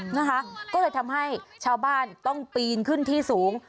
นะคะก็เลยทำให้ชาวบ้านต้องปีนขึ้นที่สูง